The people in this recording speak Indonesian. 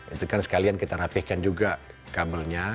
itu kan sekalian kita rapihkan juga kabelnya